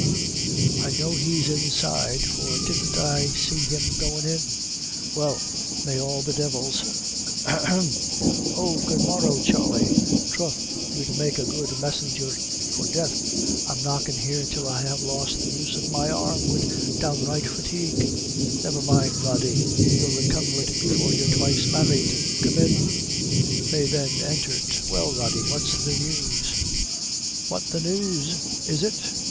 "I know he's inside, for didn't I see him goin' in well, may all the devils hem oh, good morrow, Charley troth you'd make a good messenger for death. I'm knocking here till I have lost the use of my arm wid downright fatigue." "Never mind, Rody, you'll recover it before you're twice married come in." They then entered. "Well, Rody, what's the news?" "What the news, is it?